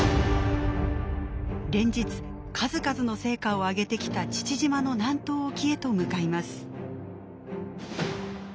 連日数々の成果を上げてきた父島の南東沖へと向かいます。